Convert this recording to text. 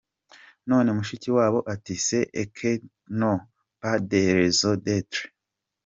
None Mushikiwabo ati « Ces enquêtes n’ont pas de raison d’être ».